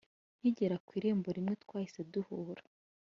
nkigera ku irembo niwe twahise duhura